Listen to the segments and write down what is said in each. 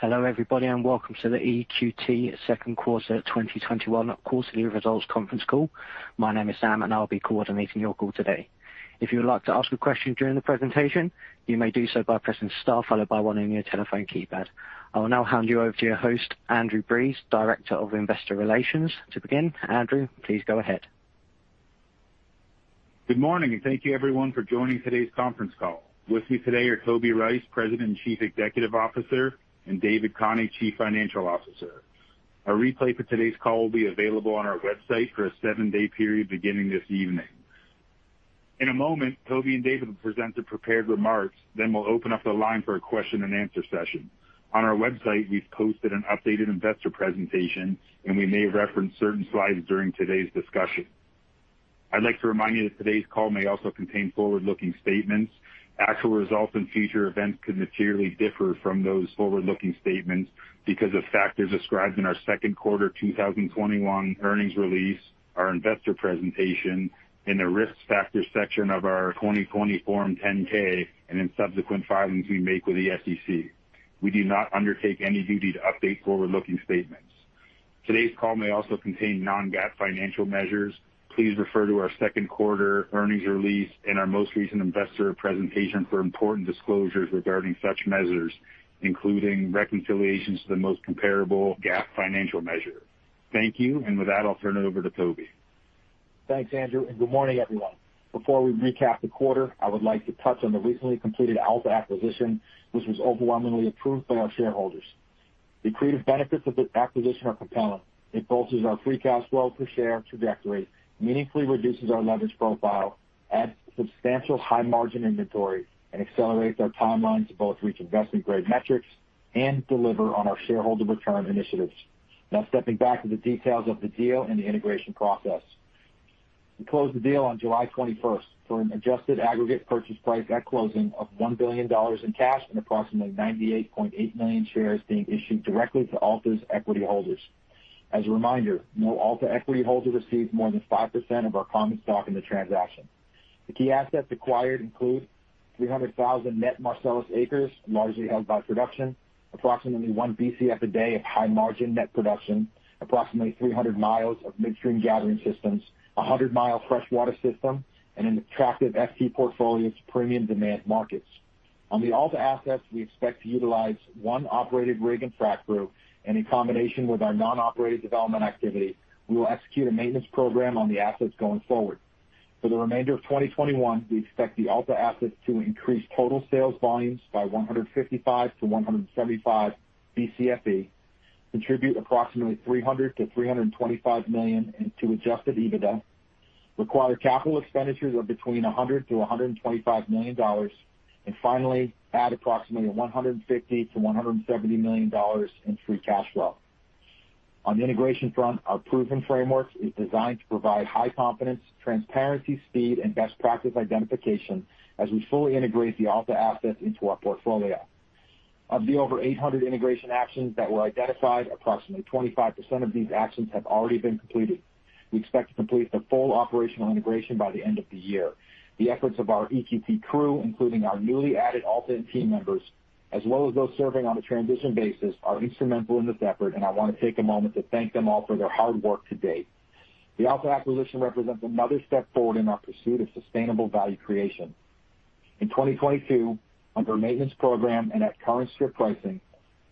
Hello everybody, and welcome to the EQT second quarter 2021 quarterly results conference call. My name is Sam, and I'll be coordinating your call today. If you would like to ask a question during the presentation your may do so by pressing star followed by one in your telephone keypad. I will now hand you over to your host, Andrew Breese, Director of Investor Relations. To begin, Andrew, please go ahead. Good morning, thank you everyone for joining today's conference call. With me today are Toby Rice, President and Chief Executive Officer, and David Khani, Chief Financial Officer. A replay for today's call will be available on our website for a seven-day period beginning this evening. In a moment, Toby and David will present the prepared remarks, we'll open up the line for a question-and-answer session. On our website, we've posted an updated investor presentation, we may reference certain slides during today's discussion. I'd like to remind you that today's call may also contain forward-looking statements. Actual results and future events could materially differ from those forward-looking statements because of factors described in our second quarter 2021 earnings release, our investor presentation, in the Risk Factors section of our 2020 Form 10-K, in subsequent filings we make with the SEC. We do not undertake any duty to update forward-looking statements. Today's call may also contain non-GAAP financial measures. Please refer to our second quarter earnings release and our most recent investor presentation for important disclosures regarding such measures, including reconciliations to the most comparable GAAP financial measure. Thank you. With that, I'll turn it over to Toby. Thanks, Andrew. Good morning, everyone. Before we recap the quarter, I would like to touch on the recently completed Alta acquisition, which was overwhelmingly approved by our shareholders. The accretive benefits of this acquisition are compelling. It bolsters our free cash flow per share trajectory, meaningfully reduces our leverage profile, adds substantial high-margin inventory, and accelerates our timeline to both reach investment-grade metrics and deliver on our shareholder return initiatives. Stepping back to the details of the deal and the integration process. We closed the deal on July 21st for an adjusted aggregate purchase price at closing of $1 billion in cash and approximately 98.8 million shares being issued directly to Alta's equity holders. As a reminder, no Alta equity holder received more than 5% of our common stock in the transaction. The key assets acquired include 300,000 net Marcellus acres, largely held by production, approximately 1 Bcf a day of high-margin net production, approximately 300 mi of midstream gathering systems, a 100 mi freshwater system, and an attractive FT portfolio to premium demand markets. On the Alta assets, we expect to utilize one operated rig and frac crew, and in combination with our non-operated development activity, we will execute a maintenance program on the assets going forward. For the remainder of 2021, we expect the Alta assets to increase total sales volumes by 155 Bcfe-175 Bcfe, contribute approximately $300 million-$325 million into adjusted EBITDA, require capital expenditures of between $100 million-$125 million, and finally, add approximately $150 million-$170 million in free cash flow. On the integration front, our proven framework is designed to provide high confidence, transparency, speed, and best practice identification as we fully integrate the Alta assets into our portfolio. Of the over 800 integration actions that were identified, approximately 25% of these actions have already been completed. We expect to complete the full operational integration by the end of the year. The efforts of our EQT crew, including our newly added Alta team members, as well as those serving on a transition basis, are instrumental in this effort, and I want to take a moment to thank them all for their hard work to date. The Alta acquisition represents another step forward in our pursuit of sustainable value creation. In 2022, under a maintenance program and at current strip pricing,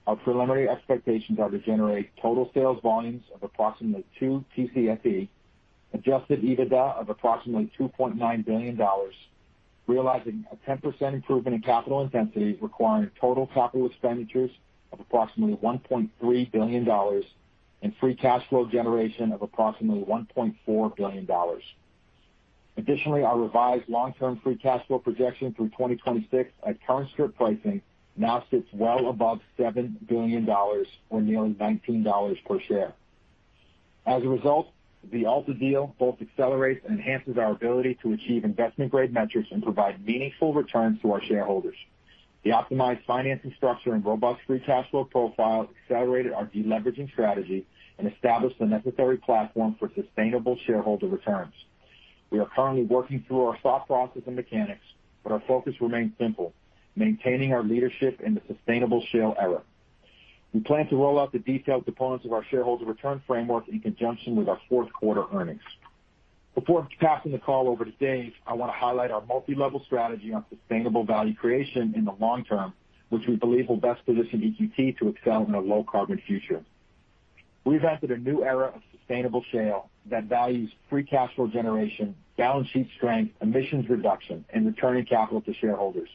our preliminary expectations are to generate total sales volumes of approximately 2 Tcfe, adjusted EBITDA of approximately $2.9 billion, realizing a 10% improvement in capital intensity, requiring total capital expenditures of approximately $1.3 billion and free cash flow generation of approximately $1.4 billion. Additionally, our revised long-term free cash flow projection through 2026 at current strip pricing now sits well above $7 billion or nearly $19 per share. As a result, the Alta deal both accelerates and enhances our ability to achieve investment-grade metrics and provide meaningful returns to our shareholders. The optimized financing structure and robust free cash flow profile accelerated our deleveraging strategy and established the necessary platform for sustainable shareholder returns. We are currently working through our thought process and mechanics, but our focus remains simple: maintaining our leadership in the sustainable shale era. We plan to roll out the detailed components of our shareholder return framework in conjunction with our fourth quarter earnings. Before passing the call over to Dave, I want to highlight our multilevel strategy on sustainable value creation in the long-term, which we believe will best position EQT to excel in a low-carbon future. We've entered a new era of sustainable shale that values free cash flow generation, balance sheet strength, emissions reduction, and returning capital to shareholders.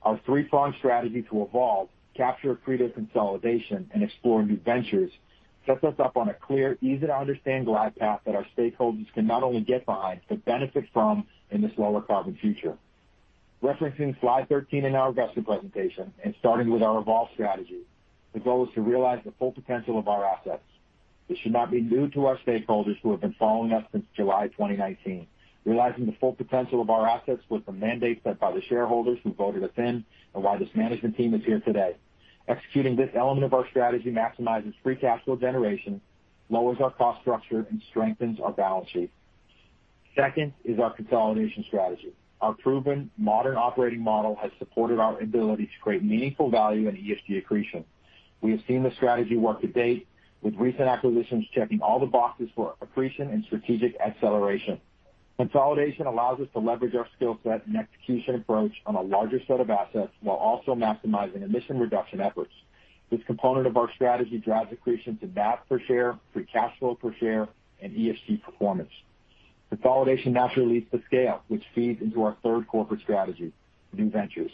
Our three-pronged strategy to evolve, capture accretive consolidation, and explore new ventures sets us up on a clear, easy-to-understand glide path that our stakeholders can not only get behind, but benefit from in this lower carbon future. Referencing Slide 13 in our investor presentation and starting with our evolve strategy, the goal is to realize the full potential of our assets. This should not be new to our stakeholders who have been following us since July 2019. Realizing the full potential of our assets was the mandate set by the shareholders who voted us in and why this management team is here today. Executing this element of our strategy maximizes free cash flow generation, lowers our cost structure, and strengthens our balance sheet. Second is our consolidation strategy. Our proven modern operating model has supported our ability to create meaningful value and ESG accretion. We have seen this strategy work to date with recent acquisitions checking all the boxes for accretion and strategic acceleration. Consolidation allows us to leverage our skill set and execution approach on a larger set of assets while also maximizing emission reduction efforts. This component of our strategy drives accretion to NAV per share, free cash flow per share, and ESG performance. Consolidation naturally leads to scale, which feeds into our third corporate strategy, new ventures.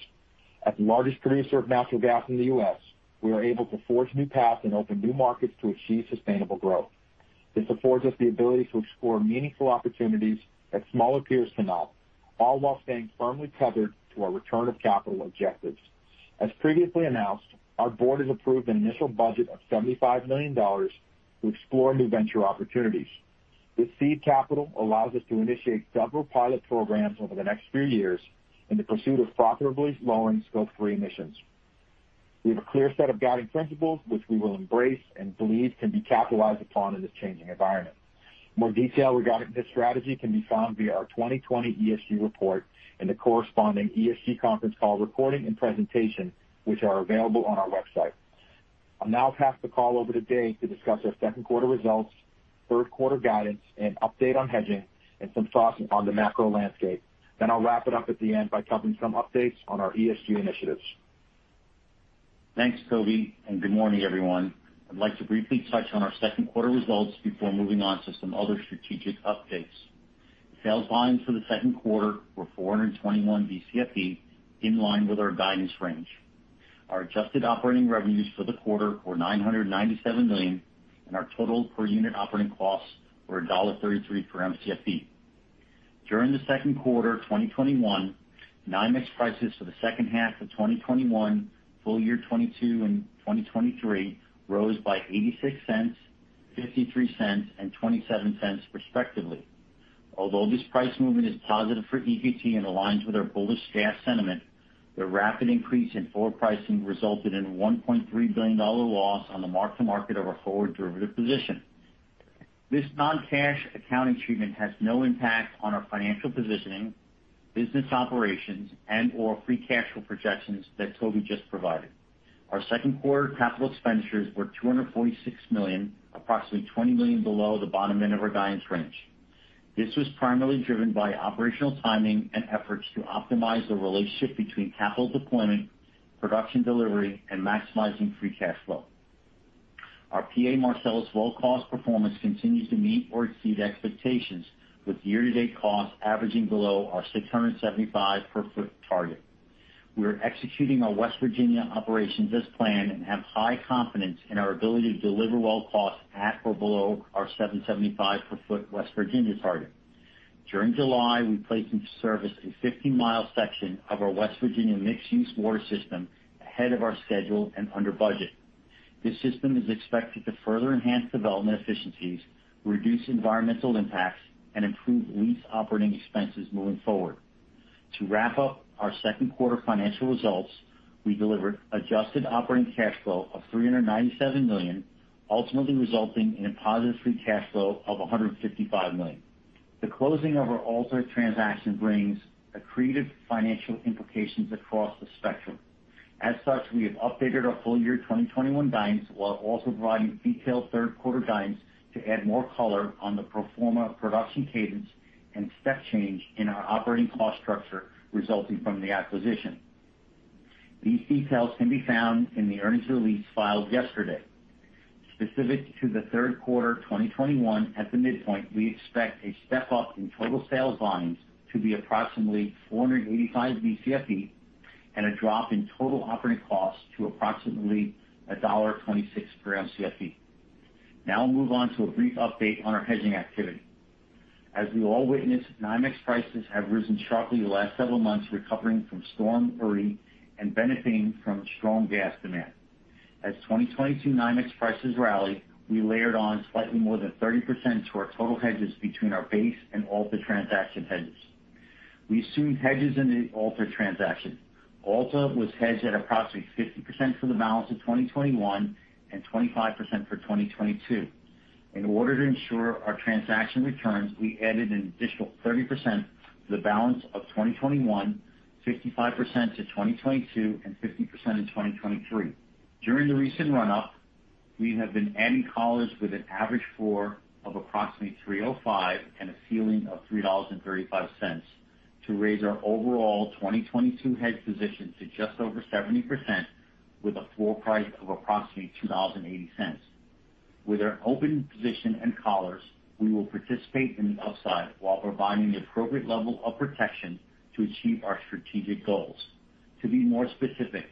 As the largest producer of natural gas in the U.S., we are able to forge new paths and open new markets to achieve sustainable growth. This affords us the ability to explore meaningful opportunities that smaller peers cannot, all while staying firmly tethered to our return of capital objectives. As previously announced, our board has approved an initial budget of $75 million to explore new venture opportunities. This seed capital allows us to initiate several pilot programs over the next few years in the pursuit of profitably lowering Scope 3 emissions. We have a clear set of guiding principles which we will embrace and believe can be capitalized upon in this changing environment. More detail regarding this strategy can be found via our 2020 ESG report and the corresponding ESG conference call recording and presentation, which are available on our website. I'll now pass the call over to Dave to discuss our second quarter results, third quarter guidance, an update on hedging and some thoughts on the macro landscape. I'll wrap it up at the end by covering some updates on our ESG initiatives. Thanks, Toby, and good morning, everyone. I'd like to briefly touch on our second quarter results before moving on to some other strategic updates. Sales volumes for the second quarter were 421 Bcfe, in line with our guidance range. Our adjusted operating revenues for the quarter were $997 million, and our total per-unit operating costs were $1.33 per Mcfe. During the second quarter 2021, NYMEX prices for the second half of 2021, full-year 2022 and 2023 rose by $0.86, $0.53, and $0.27 respectively. Although this price movement is positive for EQT and aligns with our bullish gas sentiment, the rapid increase in forward pricing resulted in a $1.3 billion loss on the mark-to-market of our forward derivative position. This non-cash accounting treatment has no impact on our financial positioning, business operations, and/or free cash flow projections that Toby just provided. Our second quarter capital expenditures were $246 million, approximately $20 million below the bottom end of our guidance range. This was primarily driven by operational timing and efforts to optimize the relationship between capital deployment, production delivery, and maximizing free cash flow. Our PA Marcellus well cost performance continues to meet or exceed expectations, with year-to-date costs averaging below our $6.75 per foot target. We are executing our West Virginia operations as planned and have high confidence in our ability to deliver well costs at or below our $7.75 per foot West Virginia target. During July, we placed into service a 50 mi section of our West Virginia mixed-use water system ahead of our schedule and under budget. This system is expected to further enhance development efficiencies, reduce environmental impacts, and improve lease operating expenses moving forward. To wrap up our second quarter financial results, we delivered adjusted operating cash flow of $397 million, ultimately resulting in a positive free cash flow of $155 million. The closing of our Alta transaction brings accretive financial implications across the spectrum. As such, we have updated our full-year 2021 guidance, while also providing detailed third quarter guidance to add more color on the pro forma production cadence and step change in our operating cost structure resulting from the acquisition. These details can be found in the earnings release filed yesterday. Specific to the third quarter 2021, at the midpoint, we expect a step-up in total sales volumes to be approximately 485 Bcfe and a drop in total operating costs to approximately $1.26 per Mcfe. Now I'll move on to a brief update on our hedging activity. As we all witnessed, NYMEX prices have risen sharply in the last several months, recovering from Storm Uri and benefiting from strong gas demand. As 2022 NYMEX prices rallied, we layered on slightly more than 30% to our total hedges between our base and Alta transaction hedges. We assumed hedges in the Alta transaction. Alta was hedged at approximately 50% for the balance of 2021 and 25% for 2022. In order to ensure our transaction returns, we added an additional 30% to the balance of 2021, 55% to 2022, and 50% in 2023. During the recent run-up, we have been adding collars with an average floor of approximately $3.05 and a ceiling of $3.35 to raise our overall 2022 hedge position to just over 70%, with a floor price of approximately $2.08. With our open position and collars, we will participate in the upside while providing the appropriate level of protection to achieve our strategic goals. To be more specific,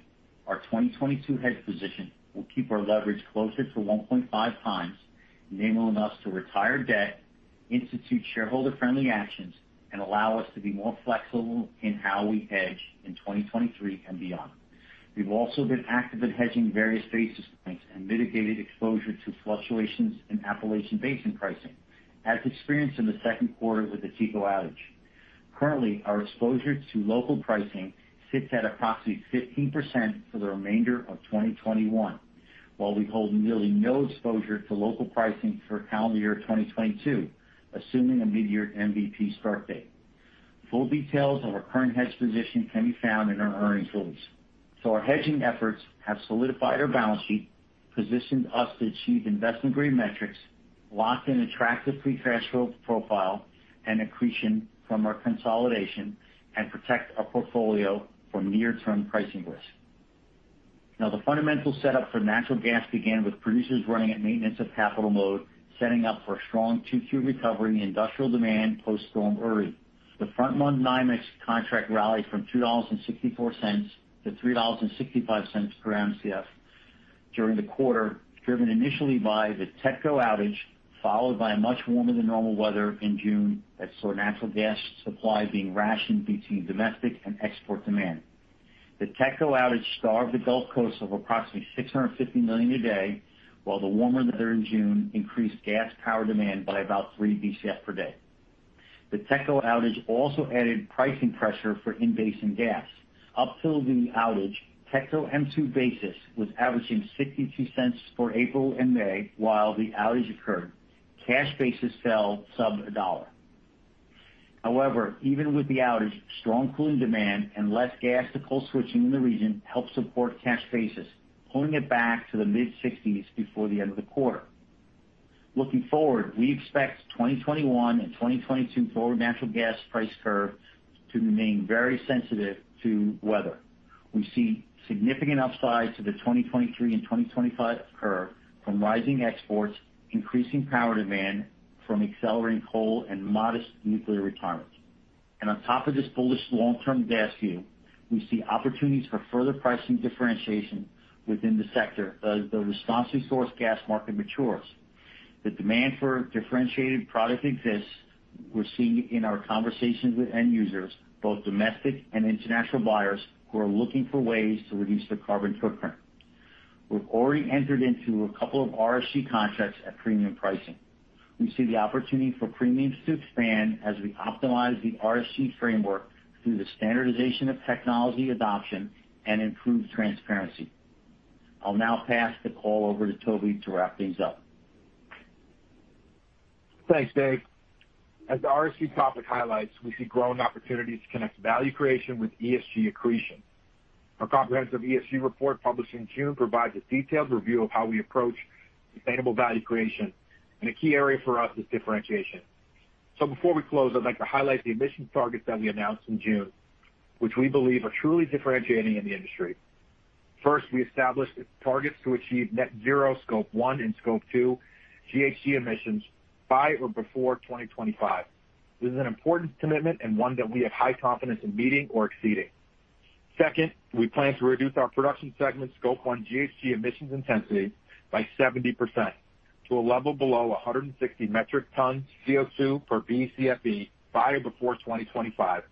our 2022 hedge position will keep our leverage closer to 1.5x, enabling us to retire debt, institute shareholder-friendly actions, and allow us to be more flexible in how we hedge in 2023 and beyond. We've also been active in hedging various basis points and mitigated exposure to fluctuations in Appalachian Basin pricing, as experienced in the second quarter with the TETCO outage. Currently, our exposure to local pricing sits at approximately 15% for the remainder of 2021, while we hold nearly no exposure to local pricing for calendar year 2022, assuming a midyear MVP start date. Full details of our current hedge position can be found in our earnings release. Our hedging efforts have solidified our balance sheet, positioned us to achieve investment-grade metrics, locked in attractive free cash flow profile, and accretion from our consolidation, and protect our portfolio from near-term pricing risk. The fundamental setup for natural gas began with producers running at maintenance of capital mode, setting up for a strong 2Q recovery in industrial demand post-storm Uri. The front-month NYMEX contract rallied from $2.64-$3.65 per Mcf during the quarter, driven initially by the TETCO outage, followed by a much warmer than normal weather in June that saw natural gas supply being rationed between domestic and export demand. The TETCO outage starved the Gulf Coast of approximately 650 million a day, while the warmer weather in June increased gas power demand by about 3 Bcf per day. The TETCO outage also added pricing pressure for in-basin gas. Up till the outage, TETCO M-2 basis was averaging $0.62 for April and May. While the outage occurred, cash basis fell sub $1. However, even with the outage, strong cooling demand and less gas to coal switching in the region helped support cash basis, pulling it back to the mid-$0.60s before the end of the quarter. Looking forward, we expect 2021 and 2022 forward natural gas price curve to remain very sensitive to weather. We see significant upside to the 2023 and 2025 curve from rising exports, increasing power demand from accelerating coal, and modest nuclear retirements. On top of this bullish long-term gas view, we see opportunities for further pricing differentiation within the sector as the responsibly sourced gas market matures. The demand for differentiated product exists, we're seeing in our conversations with end users, both domestic and international buyers, who are looking for ways to reduce their carbon footprint. We've already entered into a couple of RSG contracts at premium pricing. We see the opportunity for premiums to expand as we optimize the RSG framework through the standardization of technology adoption and improved transparency. I'll now pass the call over to Toby to wrap things up. Thanks, Dave. As the RSG topic highlights, we see growing opportunities to connect value creation with ESG accretion. Our comprehensive ESG report, published in June, provides a detailed review of how we approach sustainable value creation. A key area for us is differentiation. Before we close, I'd like to highlight the emissions targets that we announced in June, which we believe are truly differentiating in the industry. First, we established targets to achieve net zero Scope 1 and Scope 2 GHG emissions by or before 2025. This is an important commitment and one that we have high confidence in meeting or exceeding. Second, we plan to reduce our production segment Scope 1 GHG emissions intensity by 70% to a level below 160 metric tons CO2 per Bcfe by or before 2025.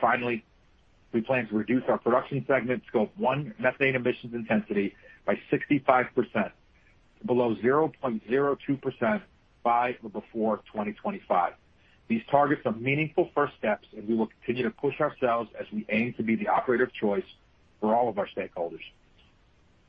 Finally, we plan to reduce our production segment Scope 1 methane emissions intensity by 65%, below 0.02% by or before 2025. These targets are meaningful first steps, and we will continue to push ourselves as we aim to be the operator of choice for all of our stakeholders.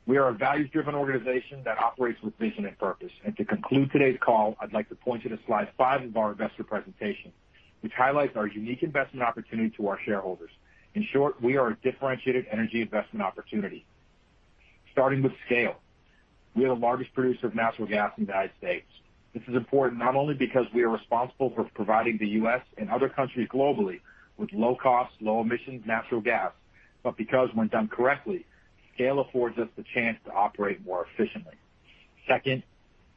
We are a values-driven organization that operates with vision and purpose. To conclude today's call, I'd like to point you to Slide five of our investor presentation, which highlights our unique investment opportunity to our shareholders. In short, we are a differentiated energy investment opportunity. Starting with scale. We are the largest producer of natural gas in the United States. This is important not only because we are responsible for providing the U.S. and other countries globally with low cost, low emissions natural gas, but because when done correctly, scale affords us the chance to operate more efficiently. Second,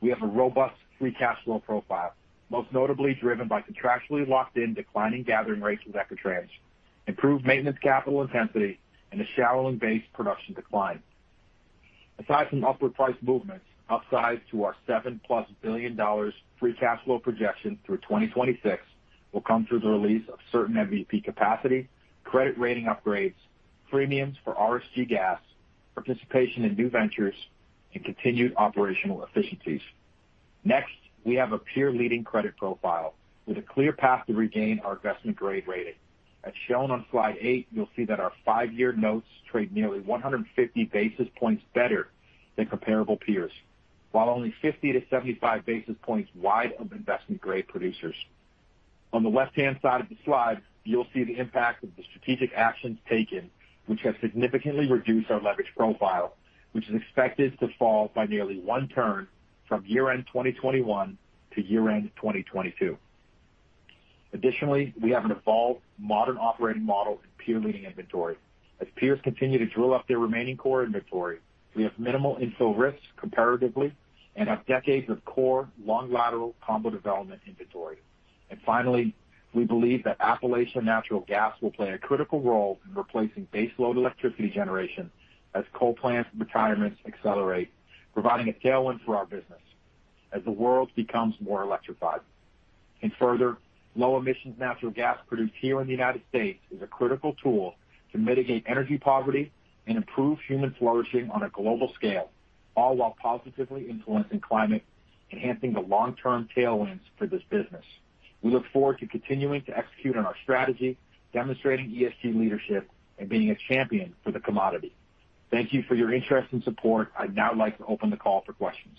we have a robust free cash flow profile, most notably driven by contractually locked-in declining gathering rates with Equitrans, improved maintenance capital intensity, and a shallow and base production decline. Aside from upward price movements, upsides to our $7+ billion free cash flow projection through 2026 will come through the release of certain MVP capacity, credit rating upgrades, premiums for RSG gas, participation in new ventures, and continued operational efficiencies. We have a peer-leading credit profile with a clear path to regain our investment-grade rating. As shown on slide 8, you'll see that our five-year notes trade nearly 150 basis points better than comparable peers, while only 50-75 basis points wide of investment-grade producers. On the left-hand side of the slide, you'll see the impact of the strategic actions taken, which have significantly reduced our leverage profile, which is expected to fall by nearly one turn from year-end 2021 to year-end 2022. We have an evolved modern operating model and peer-leading inventory. As peers continue to drill up their remaining core inventory, we have minimal infill risks comparatively and have decades of core long lateral combo development inventory. Finally, we believe that Appalachian natural gas will play a critical role in replacing baseload electricity generation as coal plants retirements accelerate, providing a tailwind for our business as the world becomes more electrified. Further, low emissions natural gas produced here in the U.S. is a critical tool to mitigate energy poverty and improve human flourishing on a global scale, all while positively influencing climate enhancing the long-term tailwinds for this business. We look forward to continuing to execute on our strategy, demonstrating ESG leadership and being a champion for the commodity. Thank you for your interest and support. I'd now like to open the call for questions.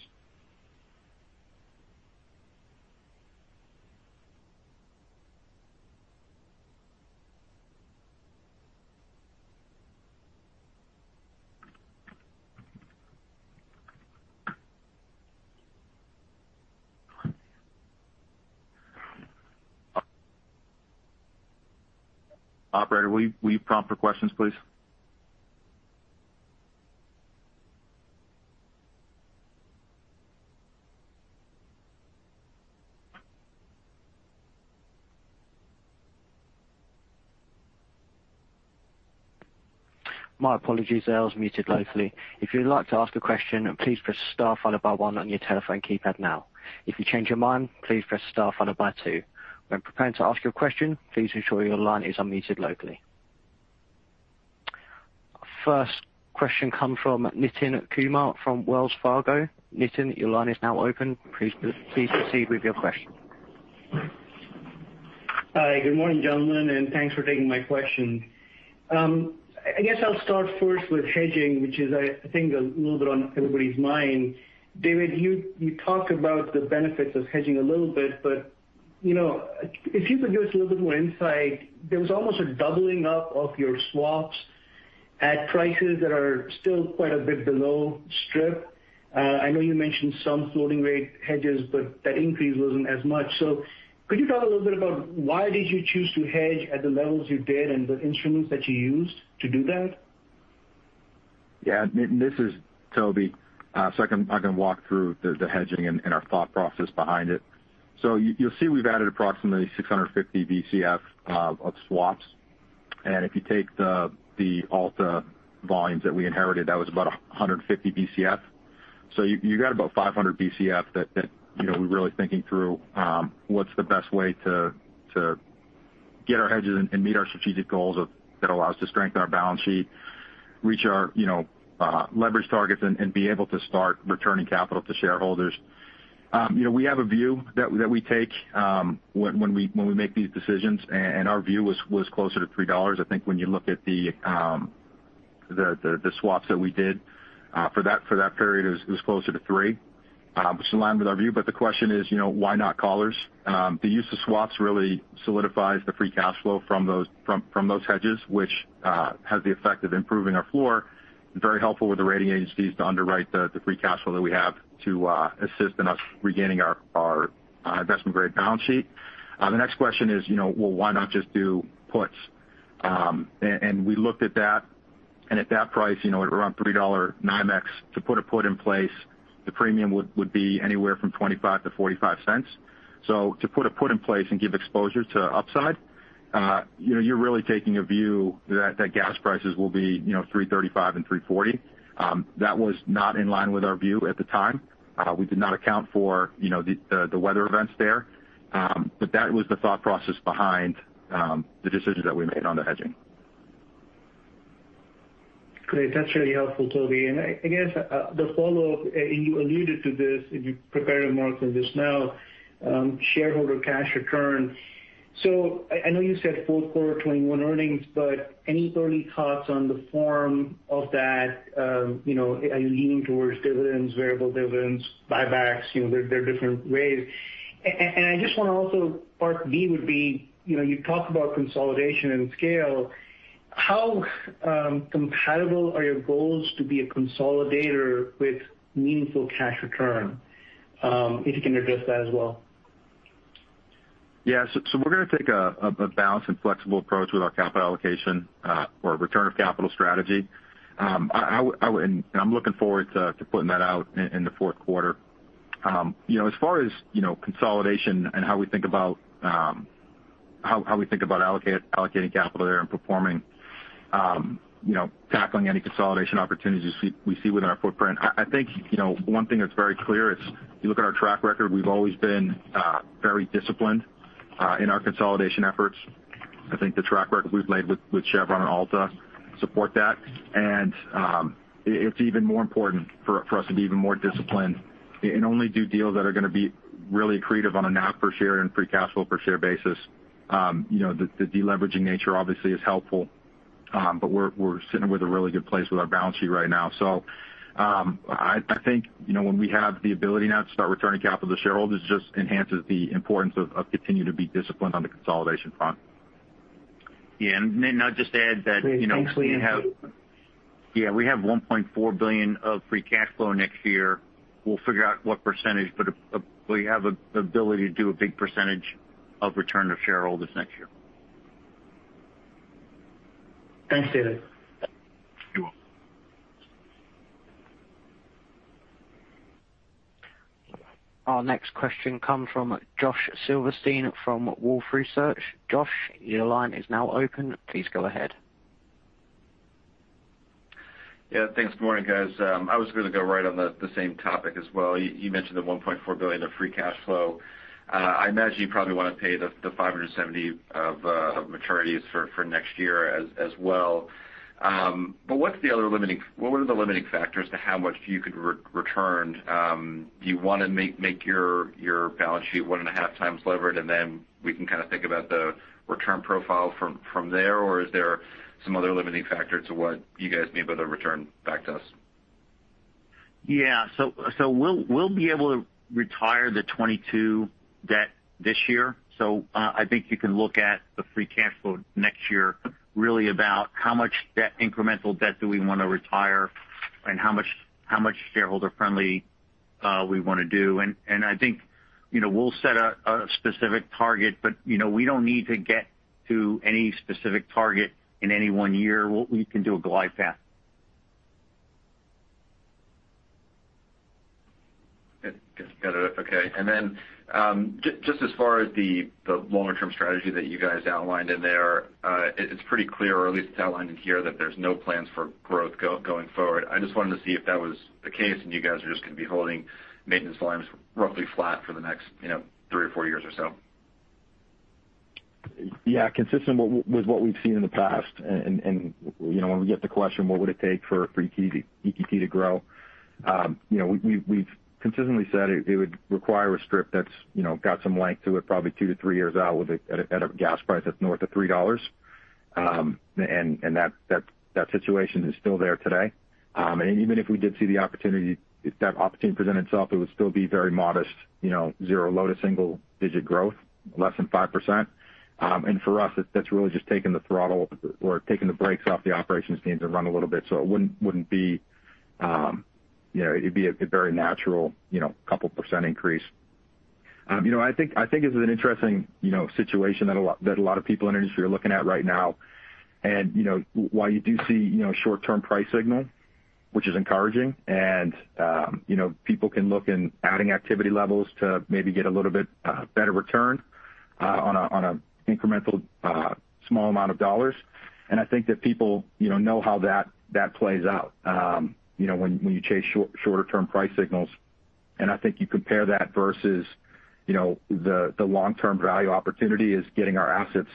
Operator, will you prompt for questions, please? My apologies there. I was muted locally. If you'd like to ask a question and please press star followed by one on your telephone keypad now. If you change your mind, please press star followed by two. When preparing to ask a question, please ensure your line is unmuted locally. First question comes from Nitin Kumar from Wells Fargo. Nitin, your line is now open. Please proceed with your question. Hi. Good morning, gentlemen, and thanks for taking my question. I guess I'll start first with hedging, which is I think a little bit on everybody's mind. David, you talked about the benefits of hedging a little bit, but if you could give us a little bit more insight. There was almost a doubling up of your swaps at prices that are still quite a bit below strip. I know you mentioned some floating rate hedges, but that increase wasn't as much. Could you talk a little bit about why did you choose to hedge at the levels you did and the instruments that you used to do that? Yeah. This is Toby. I can walk through the hedging and our thought process behind it. You'll see we've added approximately 650 Bcf of swaps. If you take the Alta volumes that we inherited, that was about 150 Bcf. You got about 500 Bcf that we're really thinking through what's the best way to get our hedges and meet our strategic goals that allow us to strengthen our balance sheet, reach our leverage targets and be able to start returning capital to shareholders. We have a view that we take when we make these decisions, and our view was closer to $3. I think when you look at the swaps that we did for that period, it was closer to $3, which aligned with our view. The question is: why not collars? The use of swaps really solidifies the free cash flow from those hedges, which has the effect of improving our floor. Very helpful with the rating agencies to underwrite the free cash flow that we have to assist in us regaining our investment-grade balance sheet. The next question is: well, why not just do puts? We looked at that, and at that price, at around $3 NYMEX, to put a put in place, the premium would be anywhere from $0.25-$0.45. To put a put in place and give exposure to upside, you're really taking a view that gas prices will be $3.35 and $3.40. That was not in line with our view at the time. We did not account for the weather events there. That was the thought process behind the decision that we made on the hedging. Great. That's really helpful, Toby. I guess the follow-up, and you alluded to this, if you prepare your remarks on this now, shareholder cash return. I know you said fourth quarter 2021 earnings, any early thoughts on the form of that? Are you leaning towards dividends, variable dividends, buybacks? There are different ways. I just want part B would be, you talked about consolidation and scale. How compatible are your goals to be a consolidator with meaningful cash return? If you can address that as well. We're going to take a balanced and flexible approach with our capital allocation or return of capital strategy. I'm looking forward to putting that out in the fourth quarter. As far as consolidation and how we think about allocating capital there and performing, tackling any consolidation opportunities we see within our footprint, I think one thing that's very clear is if you look at our track record, we've always been very disciplined in our consolidation efforts. I think the track record we've laid with Chevron and Alta support that. It's even more important for us to be even more disciplined and only do deals that are going to be really accretive on a NAV per share and free cash flow per share basis. The de-leveraging nature obviously is helpful, but we're sitting with a really good place with our balance sheet right now. I think, when we have the ability now to start returning capital to shareholders, just enhances the importance of continuing to be disciplined on the consolidation front. Yeah. Great. Thanks, David. We have $1.4 billion of free cash flow next year. We'll figure out what percentage, but we have the ability to do a big percentage of return to shareholders next year. Thanks, David. You're welcome. Our next question comes from Josh Silverstein from Wolfe Research. Josh, your line is now open. Please go ahead. Yeah. Thanks. Morning, guys. I was going to go right on the same topic as well. You mentioned the $1.4 billion of free cash flow. I imagine you probably want to pay the $570 million of maturities for next year as well. What are the limiting factors to how much you could return? Do you want to make your balance sheet one and a half times levered, and then we can think about the return profile from there, or is there some other limiting factor to what you guys may be able to return back to us? Yeah. We'll be able to retire the 2022 debt this year. I think you can look at the free cash flow next year, really about how much incremental debt do we want to retire and how much shareholder friendly we want to do. I think we'll set a specific target, but we don't need to get to any specific target in any 1 year. We can do a glide path. Got it. Okay. Just as far as the longer-term strategy that you guys outlined in there, it's pretty clear, or at least it's outlined in here, that there's no plans for growth going forward. I just wanted to see if that was the case and you guys are just going to be holding maintenance volumes roughly flat for the next three or four years or so. Yeah. Consistent with what we've seen in the past, when we get the question, what would it take for EQT to grow? We've consistently said it would require a strip that's got some length to it, probably 2-3 years out at a gas price that's north of $3.00. That situation is still there today. Even if we did see the opportunity, if that opportunity presented itself, it would still be very modest, zero to low to single-digit growth, less than 5%. For us, that's really just taking the throttle or taking the brakes off the operations team to run a little bit. It'd be a very natural couple percent increase. I think this is an interesting situation that a lot of people in the industry are looking at right now. While you do see short-term price signal, which is encouraging, and people can look in adding activity levels to maybe get a little bit better return on an incremental small amount of dollars. I think that people know how that plays out when you chase shorter-term price signals. I think you compare that versus the long-term value opportunity is getting our assets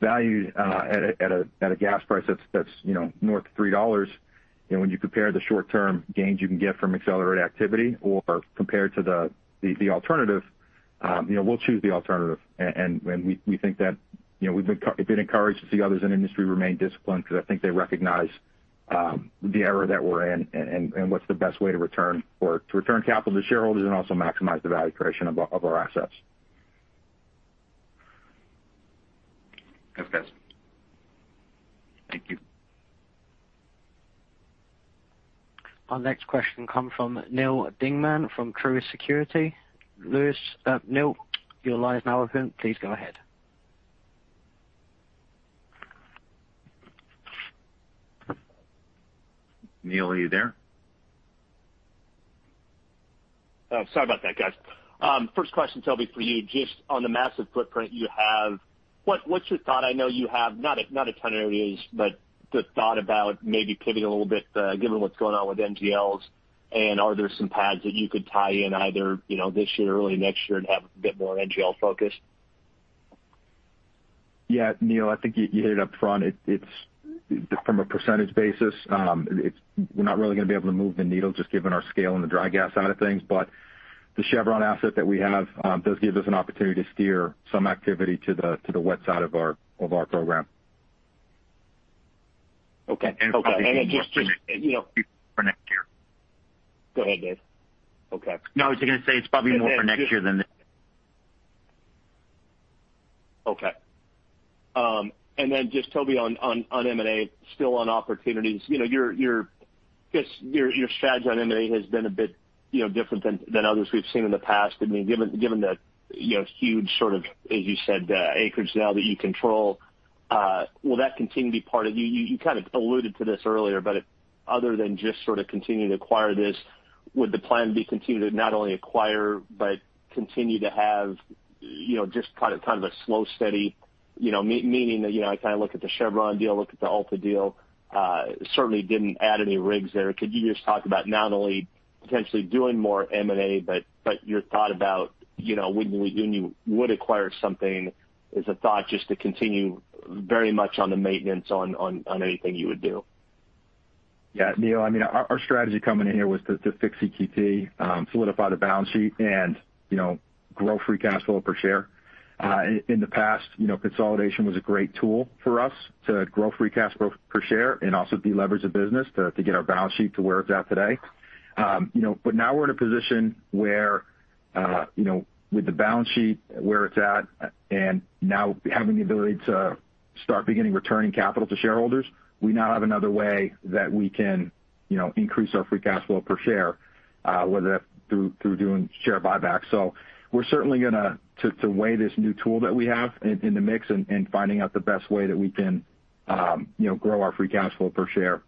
valued at a gas price that's north of $3.00. When you compare the short-term gains you can get from accelerated activity or compared to the alternative, we'll choose the alternative. We think that it'd be encouraging to see others in the industry remain disciplined, because I think they recognize the era that we're in and what's the best way to return capital to shareholders and also maximize the value creation of our assets. Thanks, guys. Thank you. Our next question comes from Neal Dingmann from Truist Securities. Neal, your line is now open. Please go ahead. Neal, are you there? Sorry about that, guys. First question, Toby, for you. Just on the massive footprint you have, what's your thought? I know you have not a ton of areas, but the thought about maybe pivoting a little bit, given what's going on with NGLs, and are there some pads that you could tie in either this year, early next year, and have a bit more NGL focus? Yeah, Neal, I think you hit it up front. From a percentage basis, we're not really going to be able to move the needle just given our scale on the dry gas side of things. The Chevron asset that we have does give us an opportunity to steer some activity to the wet side of our program. Okay. Probably more for next year. Go ahead, Dave. Okay. No, I was just going to say it's probably more for next year than this. Okay. Just Toby, on M&A, still on opportunities. Your strategy on M&A has been a bit different than others we've seen in the past. Given the huge sort of, as you said, the acreage now that you control. You kind of alluded to this earlier, but other than just sort of continuing to acquire this, would the plan be continue to not only acquire but continue to have just kind of a slow, steady, meaning I kind of look at the Chevron deal, look at the Alta deal? Certainly didn't add any rigs there. Could you just talk about not only potentially doing more M&A, but your thought about when you would acquire something, is the thought just to continue very much on the maintenance on anything you would do? Yeah. Neal, our strategy coming in here was to fix EQT, solidify the balance sheet, and grow free cash flow per share. In the past, consolidation was a great tool for us to grow free cash flow per share and also deleverage the business to get our balance sheet to where it's at today. Now we're in a position where with the balance sheet where it's at, and now having the ability to start beginning returning capital to shareholders, we now have another way that we can increase our free cash flow per share, whether that's through doing share buybacks. We're certainly going to weigh this new tool that we have in the mix and finding out the best way that we can grow our free cash flow per share.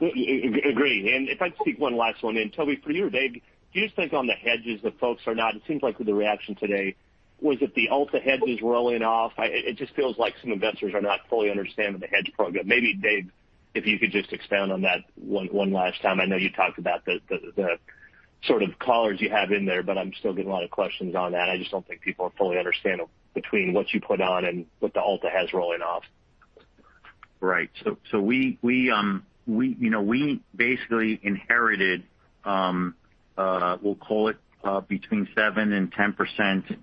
Agree. If I can sneak one last one in. Toby, for you, Dave, do you think on the hedges that it seems like with the reaction today, was it the Alta hedges rolling off? It just feels like some investors are not fully understanding the hedge program. Maybe, Dave, if you could just expand on that one last time. I know you talked about the sort of collars you have in there, but I'm still getting a lot of questions on that. I just don't think people are fully understanding between what you put on and what the Alta has rolling off. Right. We basically inherited, we will call it between 7% and 10%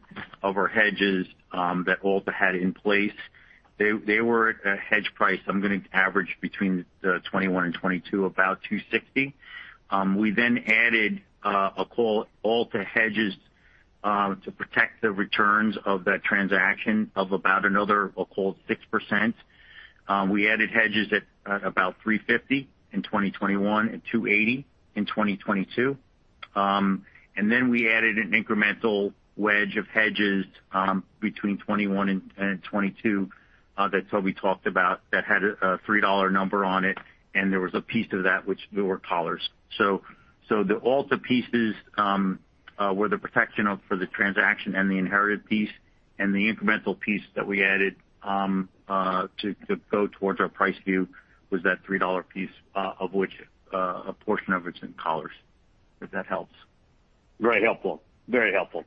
of our hedges that Alta had in place. They were at a hedge price, I am going to average between 2021 and 2022, about $2.60. We added, I will call it Alta hedges to protect the returns of that transaction of about another, we will call it 6%. We added hedges at about $3.50 in 2021 and $2.80 in 2022. We added an incremental wedge of hedges between 2021 and 2022 that Toby talked about that had a $3 number on it, and there was a piece of that which were collars. The Alta pieces were the protection for the transaction and the inherited piece, and the incremental piece that we added to go towards our price view was that $3 piece, of which a portion of it is in collars, if that helps. Very helpful.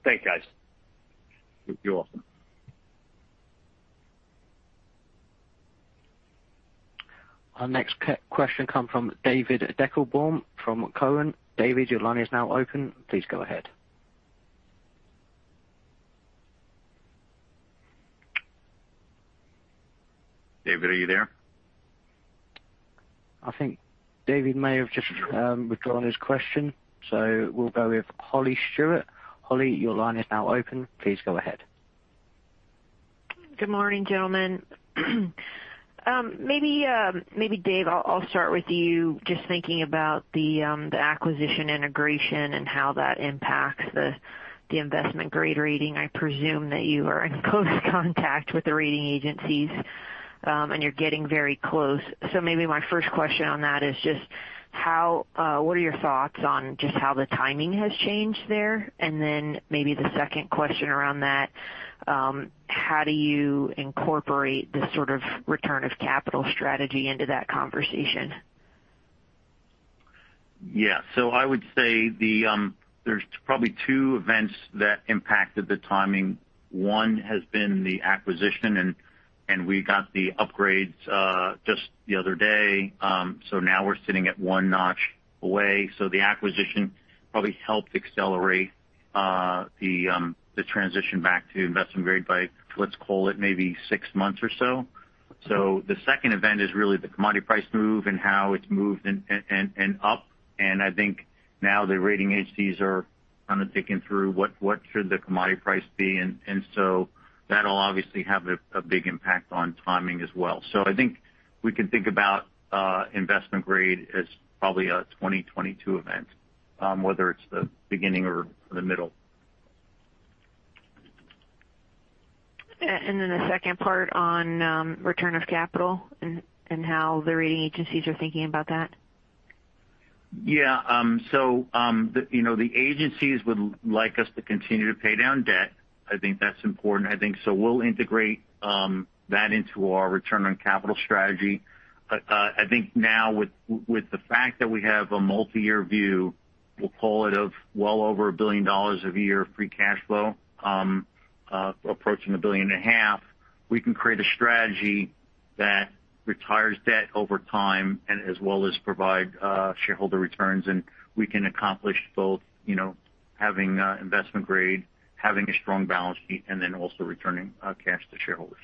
Thank you, guys. You're welcome. Our next question come from David Deckelbaum from Cowen. David, your line is now open. Please go ahead. David, are you there? I think David may have just withdrawn his question. We'll go with Holly Stewart. Holly, your line is now open. Please go ahead. Good morning, gentlemen. Maybe, Dave, I'll start with you. Just thinking about the acquisition integration and how that impacts the investment-grade rating. I presume that you are in close contact with the rating agencies, and you're getting very close. Maybe my first question on that is just, what are your thoughts on just how the timing has changed there? Maybe the second question around that, how do you incorporate the sort of return of capital strategy into that conversation? Yeah. I would say there's probably two events that impacted the timing. One has been the acquisition, and we got the upgrades just the other day. Now we're sitting at one notch away. The acquisition probably helped accelerate the transition back to investment grade by, let's call it maybe six months or so. The second event is really the commodity price move and how it's moved and up. I think now the rating agencies are kind of thinking through what should the commodity price be. That'll obviously have a big impact on timing as well. I think we can think about investment grade as probably a 2022 event, whether it's the beginning or the middle. The second part on return of capital and how the rating agencies are thinking about that. Yeah. The agencies would like us to continue to pay down debt. I think that's important. I think, we will integrate that into our return on capital strategy. I think now with the fact that we have a multiyear view, we'll call it of well over $1 billion a year of free cash flow, approaching $1.5 billion. We can create a strategy that retires debt over time as well as provide shareholder returns. We can accomplish both, having investment grade, having a strong balance sheet, also returning cash to shareholders.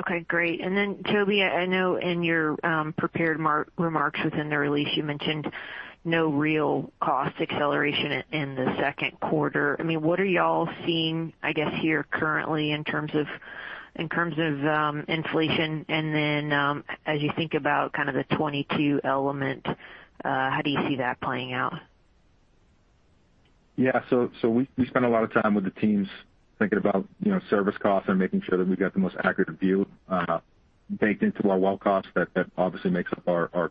Okay, great. Then, Toby, I know in your prepared remarks within the release, you mentioned no real cost acceleration in the second quarter. What are you all seeing, I guess, here currently in terms of inflation? Then, as you think about kind of the 2022 element, how do you see that playing out? Yeah. We spend a lot of time with the teams thinking about service costs and making sure that we get the most accurate view baked into our well costs that obviously makes up our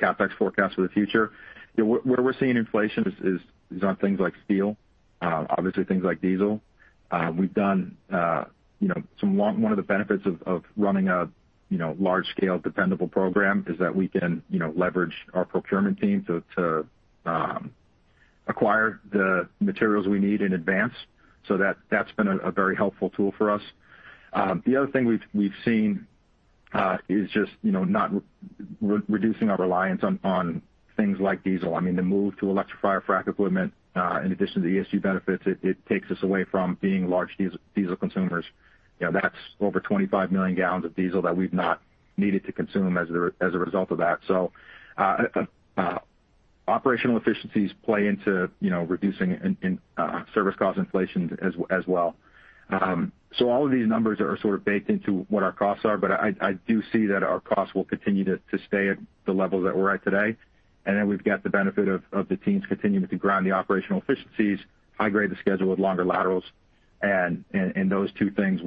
CapEx forecast for the future. Where we're seeing inflation is on things like steel, obviously things like diesel. One of the benefits of running a large-scale dependable program is that we can leverage our procurement team to acquire the materials we need in advance. That's been a very helpful tool for us. The other thing we've seen is just reducing our reliance on things like diesel. I mean, the move to electrify our frac equipment, in addition to the ESG benefits, it takes us away from being large diesel consumers. That's over 25 million gallons of diesel that we've not needed to consume as a result of that. Operational efficiencies play into reducing service cost inflation as well. All of these numbers are sort of baked into what our costs are, but I do see that our costs will continue to stay at the level that we're at today. Then we've got the benefit of the teams continuing to ground the operational efficiencies, high-grade the schedule with longer laterals. Those two things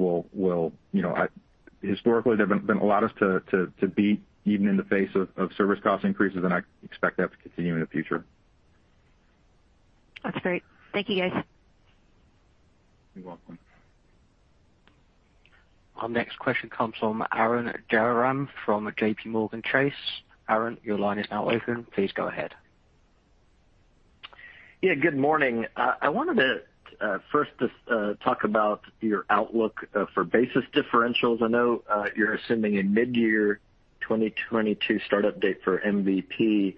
historically, they've allowed us to beat even in the face of service cost increases, and I expect that to continue in the future. That's great. Thank you, guys. You're welcome. Our next question comes from Arun Jayaram from JPMorgan Chase. Arun, your line is now open. Please go ahead. Good morning. I wanted to first just talk about your outlook for basis differentials. I know you're assuming a mid-year 2022 start-up date for MVP.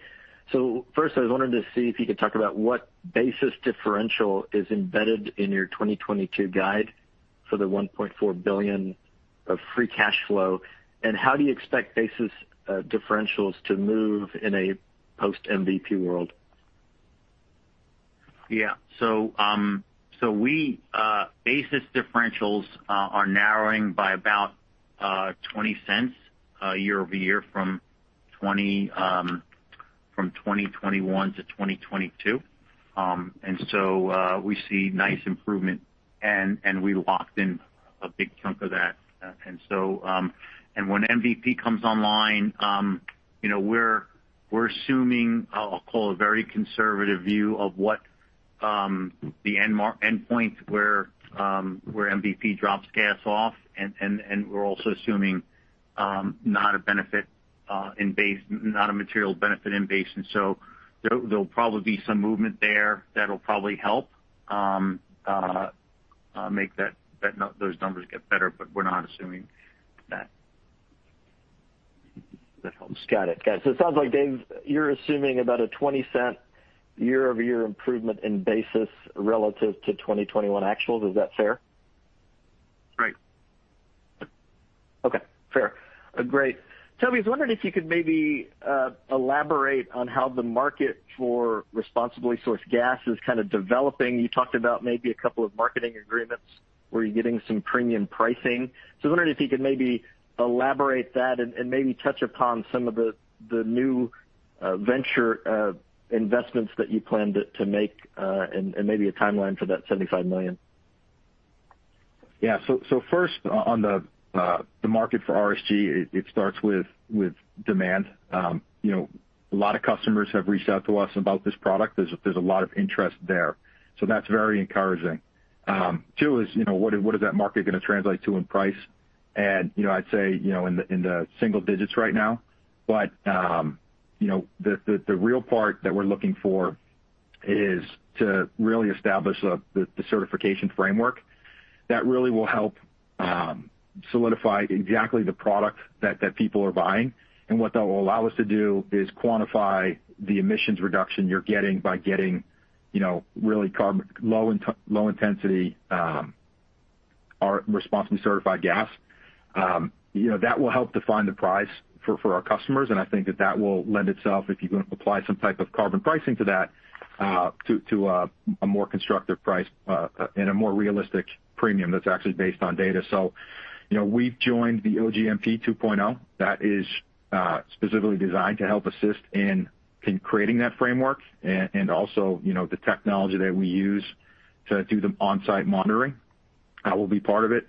First, I was wondering to see if you could talk about what basis differential is embedded in your 2022 guide for the $1.4 billion of free cash flow, and how do you expect basis differentials to move in a post-MVP world? Yeah. Basis differentials are narrowing by about $0.20 year-over-year from 2021-2022. We see nice improvement, and we locked in a big chunk of that. When MVP comes online, we're assuming, I'll call it, a very conservative view of what the endpoint where MVP drops gas off, and we're also assuming not a material benefit in basin. There'll probably be some movement there that'll probably help make those numbers get better, but we're not assuming that. Got it. It sounds like, Dave, you're assuming about a $0.20 year-over-year improvement in basis relative to 2021 actuals. Is that fair? Right. Okay. Fair. Great. Toby, I was wondering if you could maybe elaborate on how the market for responsibly sourced gas is kind of developing. You talked about maybe a couple of marketing agreements where you're getting some premium pricing. I was wondering if you could maybe elaborate that and maybe touch upon some of the new venture investments that you plan to make and maybe a timeline for that $75 million. Yeah. First on the market for RSG, it starts with demand. A lot of customers have reached out to us about this product. There's a lot of interest there, so that's very encouraging. Two is, what is that market going to translate to in price? I'd say in the single-digits right now. The real part that we're looking for is to really establish the certification framework that really will help solidify exactly the product that people are buying. What that will allow us to do is quantify the emissions reduction you're getting by getting really low intensity responsibly certified gas. That will help define the price for our customers, and I think that that will lend itself, if you're going to apply some type of carbon pricing to that, to a more constructive price and a more realistic premium that's actually based on data. We've joined the OGMP 2.0. That is specifically designed to help assist in creating that framework and also the technology that we use to do the onsite monitoring. I will be part of it.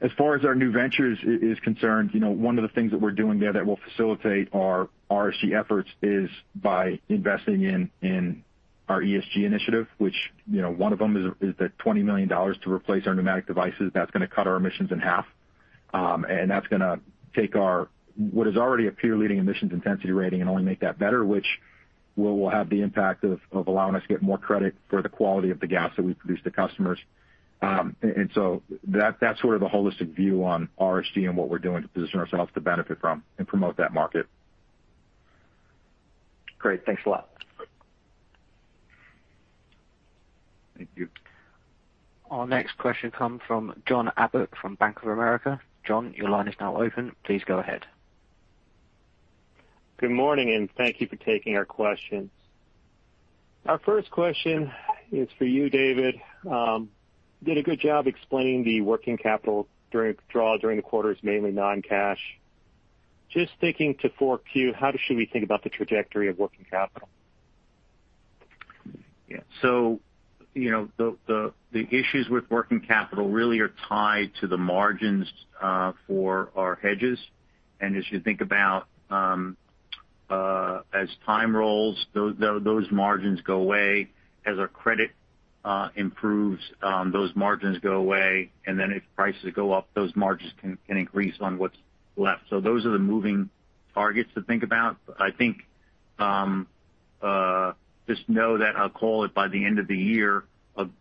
As far as our new ventures is concerned, one of the things that we're doing there that will facilitate our RSG efforts is by investing in our ESG initiative, which one of them is the $20 million to replace our pneumatic devices. That's going to cut our emissions in half. That's going to take what is already a peer-leading emissions intensity rating and only make that better, which will have the impact of allowing us to get more credit for the quality of the gas that we produce to customers. That's sort of the holistic view on RSG and what we're doing to position ourselves to benefit from and promote that market. Great. Thanks a lot. Thank you. Our next question comes from John Abbott from Bank of America. John, your line is now open. Please go ahead. Good morning. Thank you for taking our questions. Our first question is for you, David. You did a good job explaining the working capital draw during the quarter is mainly non-cash. Just thinking to 4Q, how should we think about the trajectory of working capital? Yeah. The issues with working capital really are tied to the margins for our hedges. As you think about as time rolls, those margins go away. As our credit improves, those margins go away. Then if prices go up, those margins can increase on what's left. Those are the moving targets to think about. I think just know that I'll call it by the end of the year,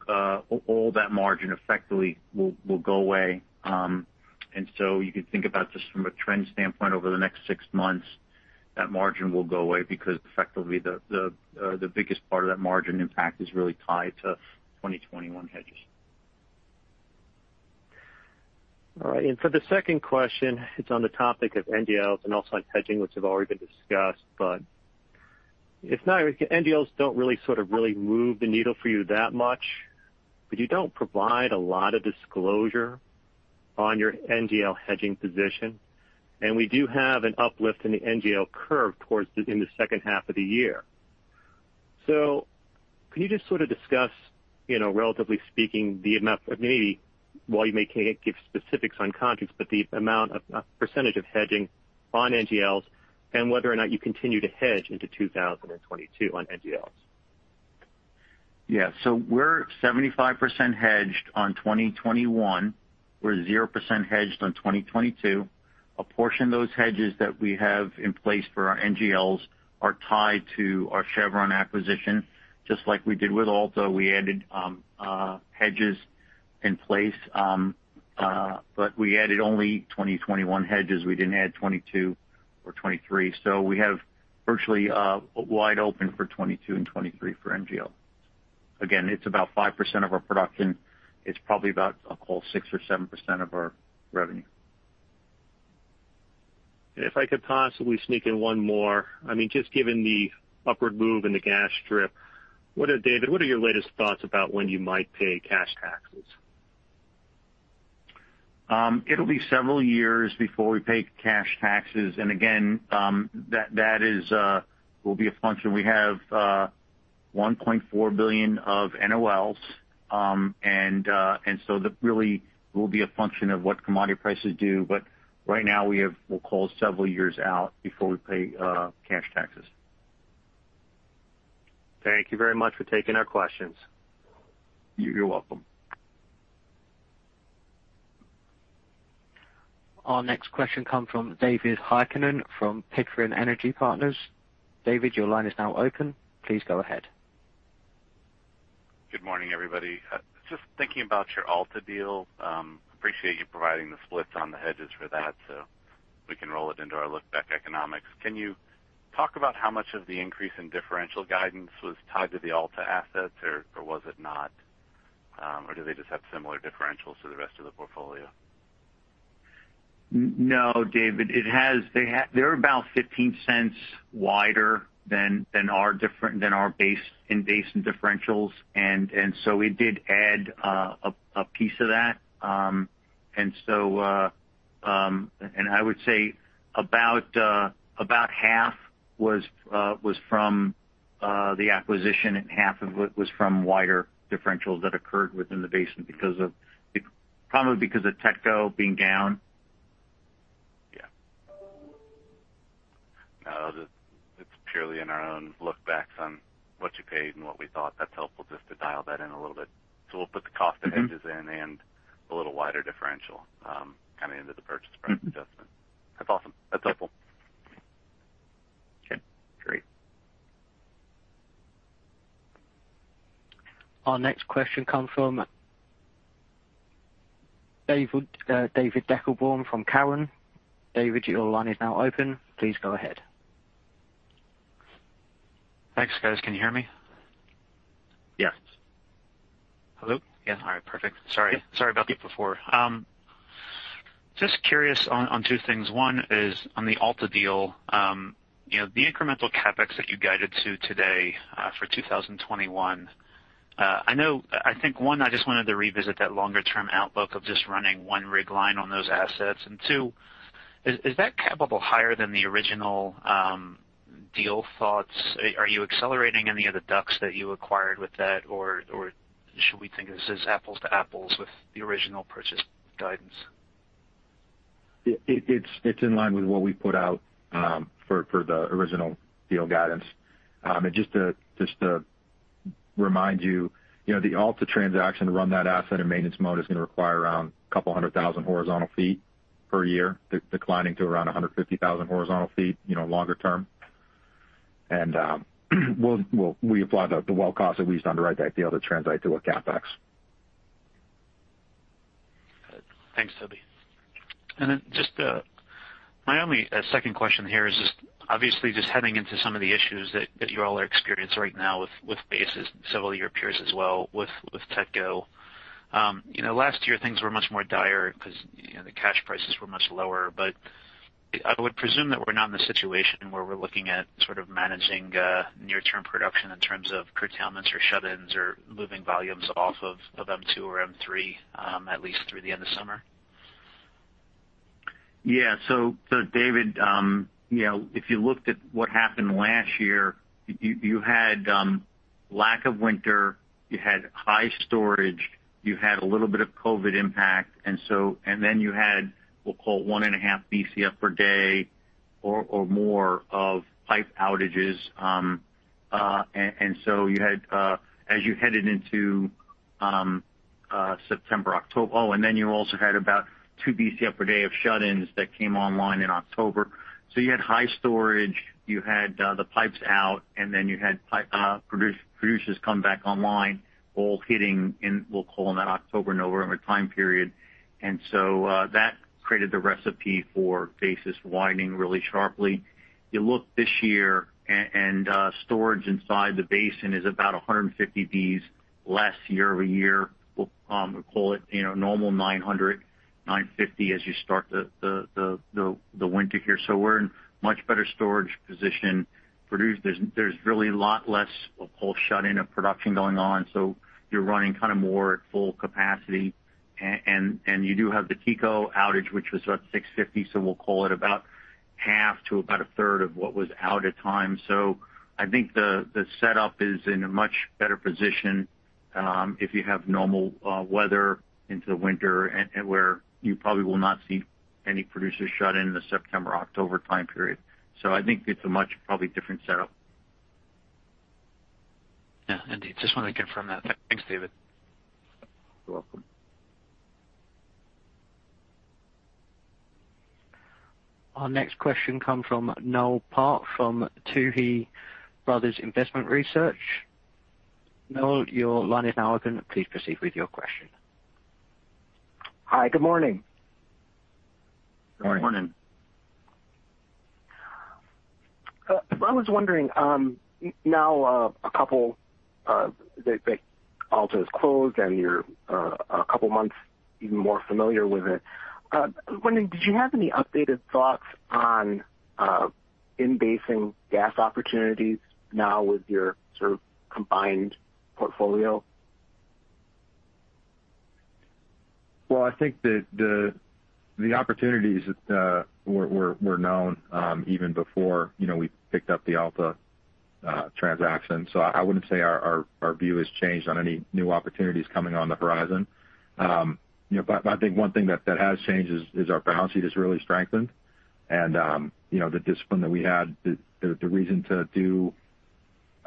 all that margin effectively will go away. You could think about this from a trend standpoint over the next six months. That margin will go away because effectively the biggest part of that margin impact is really tied to 2021 hedges. All right. For the second question, it's on the topic of NGLs and also on hedging, which have already been discussed. If not everything, NGLs don't really sort of really move the needle for you that much, but you don't provide a lot of disclosure on your NGL hedging position. We do have an uplift in the NGL curve towards in the second half of the year. Can you just sort of discuss, relatively speaking, the amount of, maybe while you may can't give specifics on contracts, but the amount of percentage of hedging on NGLs and whether or not you continue to hedge into 2022 on NGLs? Yeah. We're 75% hedged on 2021. We're 0% hedged on 2022. A portion of those hedges that we have in place for our NGLs are tied to our Chevron acquisition. Just like we did with Alta, we added hedges in place. We added only 2021 hedges. We didn't add 2022 or 2023. We have virtually wide open for 2022 and 2023 for NGL. Again, it's about 5% of our production. It's probably about, I'll call it 6% or 7% of our revenue. If I could possibly sneak in one more. Just given the upward move in the gas strip, David, what are your latest thoughts about when you might pay cash taxes? It'll be several years before we pay cash taxes. Again, that will be a function. We have $1.4 billion of NOLs. That really will be a function of what commodity prices do. Right now, we have, we'll call it several years out before we pay cash taxes. Thank you very much for taking our questions. You're welcome. Our next question comes from David Heikkinen from Pickering Energy Partners. David, your line is now open. Please go ahead. Good morning, everybody. Just thinking about your Alta deal. Appreciate you providing the splits on the hedges for that, so we can roll it into our look-back economics. Can you talk about how much of the increase in differential guidance was tied to the Alta assets, or was it not? Do they just have similar differentials to the rest of the portfolio? No, David. They're about $0.15 wider than our in-basin differentials. It did add a piece of that. I would say about half was from the acquisition, and half of it was from wider differentials that occurred within the basin, probably because of TETCO being down. Yeah. No, it's purely in our own look-backs on what you paid and what we thought. That's helpful just to dial that in a little bit. We'll put the cost of hedges in and the little wider differential into the purchase price adjustment. That's awesome. That's helpful. Okay, great. Our next question comes from David Deckelbaum from Cowen. David, your line is now open. Please go ahead. Thanks, guys. Can you hear me? Yes. Hello? Yeah. All right, perfect. Sorry about that before. Just curious on two things. One is on the Alta deal. The incremental CapEx that you guided to today for 2021. I think, one, I just wanted to revisit that longer-term outlook of just running one rig line on those assets. Two, is that capital higher than the original deal thoughts? Are you accelerating any of the DUCs that you acquired with that, or should we think of this as apples to apples with the original purchase guidance? It's in line with what we put out for the original deal guidance. Just to remind you, the Alta transaction to run that asset in maintenance mode is going to require around 200,000 horizontal feet per year, declining to around 150,000 horizontal feet longer-term. We applied the well cost that we used on the Rice deal to translate to a CapEx. Got it. Thanks, Toby. My only second question here is obviously heading into some of the issues that you all are experiencing right now with basis, several of your peers as well with TETCO. Last year things were much more dire because the cash prices were much lower. I would presume that we're not in the situation where we're looking at sort of managing near-term production in terms of curtailments or shut-ins or moving volumes off of M-2 or M-3, at least through the end of summer? Yeah. David, if you looked at what happened last year, you had lack of winter, you had high storage, you had a little bit of COVID impact, and then you had, we'll call it 1.5 Bcf per day or more of pipe outages. As you headed into September, October, and then you also had about 2 Bcf per day of shut-ins that came online in October. You had high storage, you had the pipes out, and then you had producers come back online, all hitting in, we'll call them that October, November time period. That created the recipe for basis widening really sharply. You look this year and storage inside the basin is about 150 Bcf less year-over-year. We'll call it normal 900 Bcf, 950 Bcf as you start the winter here. We're in much better storage position. There's really a lot less shut-in of production going on. You're running kind of more at full capacity. You do have the TETCO outage, which was about 650 Bcf, so we'll call it about half to about a third of what was out at times. I think the setup is in a much better position. If you have normal weather into the winter, and where you probably will not see any producers shut in the September-October time period. I think it's a much probably different setup. Yeah, indeed. Just wanted to confirm that. Thanks, David. You're welcome. Our next question comes from Noel Parks from Tuohy Brothers Investment Research. Noel, your line is now open. Please proceed with your question. Hi, good morning. Good morning. Morning. I was wondering, now that Alta is closed and you're a couple of months even more familiar with it, I was wondering, did you have any updated thoughts on in-basin gas opportunities now with your sort of combined portfolio? Well, I think that the opportunities were known even before we picked up the Alta transaction. I wouldn't say our view has changed on any new opportunities coming on the horizon. I think one thing that has changed is our balance sheet has really strengthened. The discipline that we had, the reason to do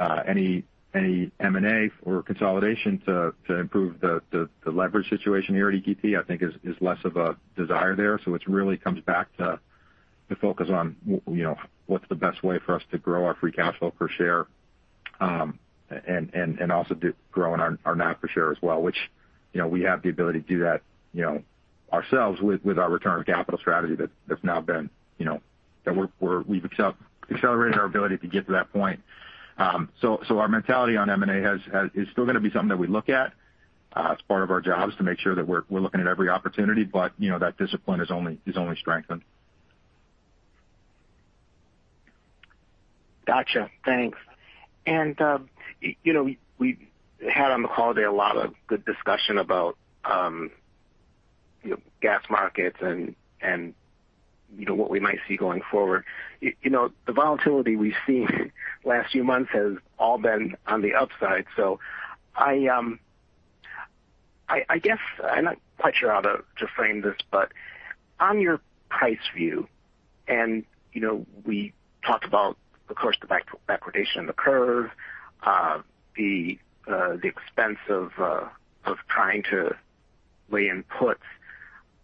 any M&A or consolidation to improve the leverage situation here at EQT, I think is less of a desire there. It really comes back to the focus on what's the best way for us to grow our free cash flow per share, and also growing our NAV per share as well, which we have the ability to do that ourselves with our return on capital strategy that we've accelerated our ability to get to that point. Our mentality on M&A is still going to be something that we look at. It's part of our jobs to make sure that we're looking at every opportunity, but that discipline is only strengthened. Got you. Thanks. We had on the call today a lot of good discussion about gas markets and what we might see going forward. The volatility we've seen last few months has all been on the upside. I guess I'm not quite sure how to frame this, but on your price view, and we talked about, of course, the backwardation in the curve, the expense of trying to lay in puts,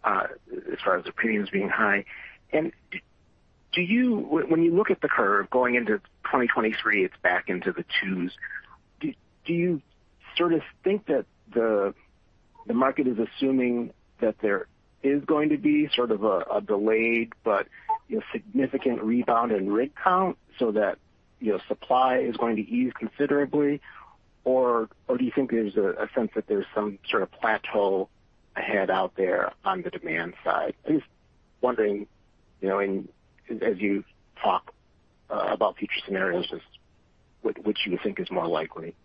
as far as the premiums being high. When you look at the curve going into 2023, it's back into the twos. Do you sort of think that the market is assuming that there is going to be sort of a delayed but significant rebound in rig count so that supply is going to ease considerably? Do you think there's a sense that there's some sort of plateau ahead out there on the demand side? I'm just wondering, as you talk about future scenarios, just which you would think is more likely?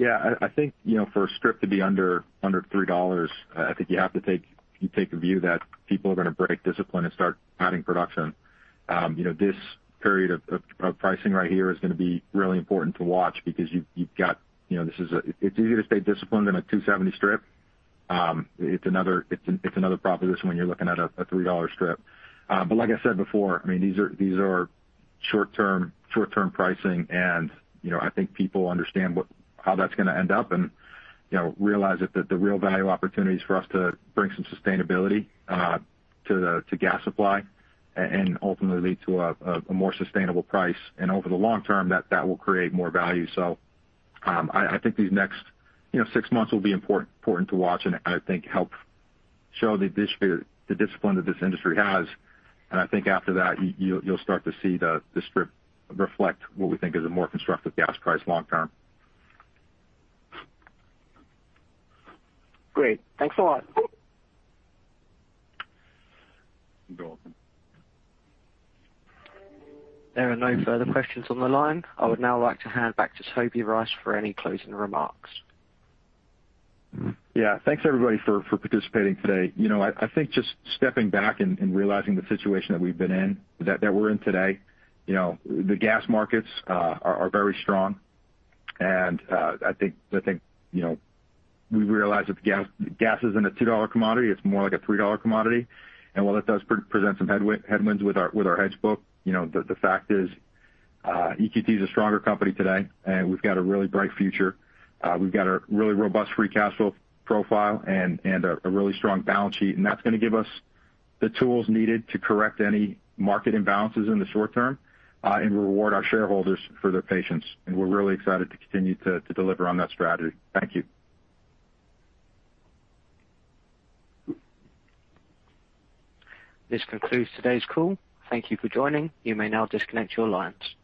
I think for a strip to be under $3, I think you have to take a view that people are going to break discipline and start adding production. This period of pricing right here is going to be really important to watch because it's easier to stay disciplined in a $2.70 strip. It's another proposition when you're looking at a $3 strip. Like I said before, these are short-term pricing, and I think people understand how that's going to end up and realize that the real value opportunity is for us to bring some sustainability to gas supply and ultimately to a more sustainable price. Over the long-term, that will create more value. I think these next six months will be important to watch and I think help show the discipline that this industry has. I think after that, you'll start to see the strip reflect what we think is a more constructive gas price long-term. Great. Thanks a lot. You're welcome. There are no further questions on the line. I would now like to hand back to Toby Rice for any closing remarks. Yeah. Thanks everybody for participating today. I think just stepping back and realizing the situation that we've been in, that we're in today, the gas markets are very strong. I think we realize that gas isn't a $2 commodity. It's more like a $3 commodity. While that does present some headwinds with our hedge book, the fact is EQT is a stronger company today, and we've got a really bright future. We've got a really robust free cash flow profile and a really strong balance sheet, and that's going to give us the tools needed to correct any market imbalances in the short-term, and reward our shareholders for their patience. We're really excited to continue to deliver on that strategy. Thank you. This concludes today's call. Thank you for joining. You may now disconnect your lines.